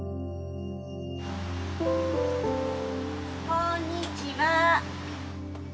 こんにちは。